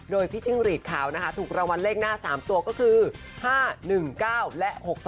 โดยพิจริงหรีชขาวถูกรวรรณเลขหน้า๓ตัวก็คือ